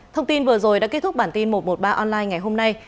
thông tin vừa rồi đã kết thúc bản tin một trăm một mươi ba online ngày hôm nay